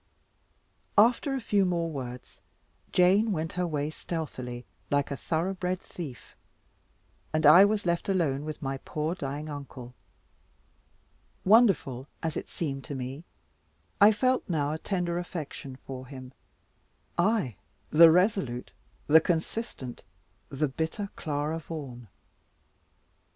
After a few more words, Jane went her way stealthily, like a thorough bred thief; and I was left alone with my poor dying uncle. Wonderful as it seemed to me, I felt now a tender affection for him, I the resolute, the consistent, the bitter Clara Vaughan.